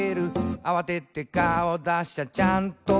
「あわてて顔だしゃちゃんとある」